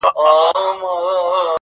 او نه مو د کمال د لیري والي وېره